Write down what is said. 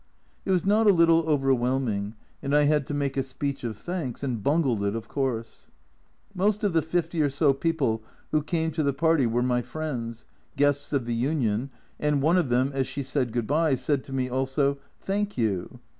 It was not a little overwhelming, and I had to make a speech of thanks, and bungled it, of course. Most of the fifty or so people who came to the party were my friends, guests of the Union, and one of them, as she said " Good bye," said to me also "Thank you."